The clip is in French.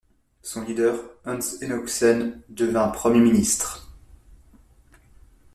Son leader, Hans Enoksen, devient Premier ministre.